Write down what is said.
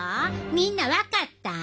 みんな分かった？